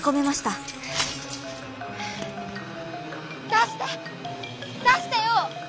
「だして！だしてよ！」。